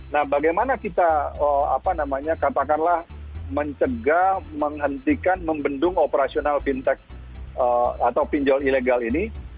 nah bagaimana kita katakanlah mencegah menghentikan membendung operasional fintech atau pinjol ilegal ini